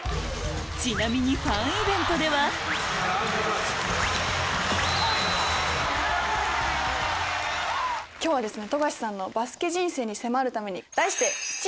ちなみにファンイベントでは今日はですね。